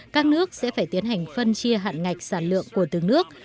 các nước sẽ phải tham gia thỏa thuận về dầu mỏ opec